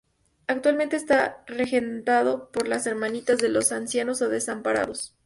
Actualmente está regentado por las Hermanitas de los Ancianos Desamparados.